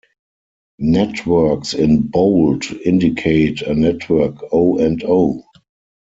Networks in bold indicate a network O and O.